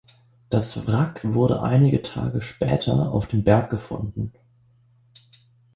Das Wrack wurde einige Tage später auf dem Berg gefunden.